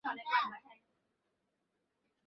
বুঝলুম, নিখিলের কাছে কোনো ফল পায় নি।